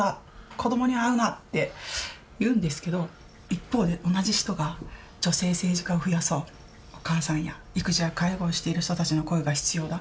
「子どもには会うな！」って言うんですけど一方で同じ人が「女性政治家を増やそう」「お母さんや育児や介護をしている人たちの声が必要だ」。